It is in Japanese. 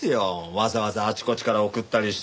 わざわざあちこちから送ったりして。